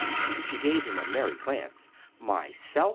She gave him a merry glance. "Myself?